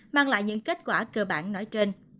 mang lại những kết quả cơ bản nói trên